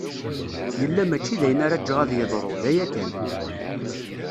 Yella mačči d ayen ara ǧǧeɣ ad yeḍru, d aya kan.